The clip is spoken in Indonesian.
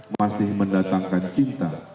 masih mendatangkan cinta